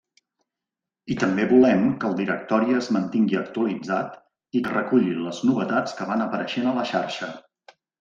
I també volem que el directori es mantingui actualitzat i que reculli les novetats que van apareixent a la xarxa.